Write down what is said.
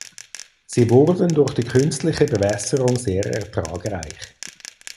Sie wurden durch die künstliche Bewässerung sehr ertragreich.